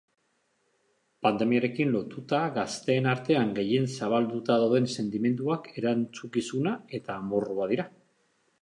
Pandemiarekin lotuta gazteen artean gehien zabalduta dauden sentimenduak erantzukizuna eta amorrua dira.